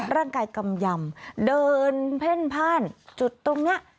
ร่างกายกำย่ำเดินเผึ้นผ่านจุดตรงนี้